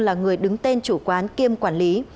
là người đứng tên chủ quán kiêm quản lý